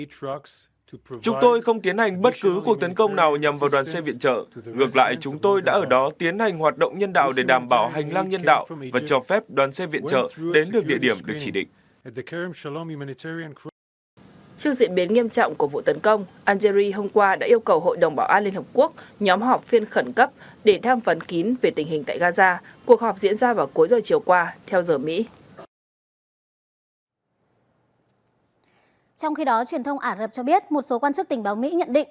trước diễn biến nghiêm trọng của vụ tấn công algeria hôm qua đã yêu cầu hội đồng bảo an liên hợp quốc nhóm họp phiên khẩn cấp để tham vấn kín về tình hình tại gaza